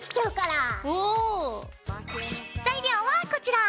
材料はこちら。